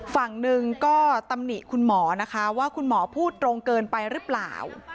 ฝั่งหนึ่งก็ตำหนิคุณหมอนะคะว่าคุณหมอพูดตรงเกินไปหรือเปล่า